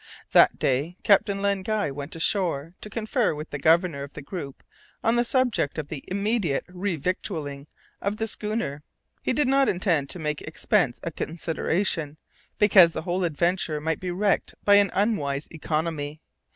That day Captain Len Guy went ashore, to confer with the Governor of the group on the subject of the immediate re victualling of the schooner. He did not intend to make expense a consideration, because the whole adventure might be wrecked by an unwise economy.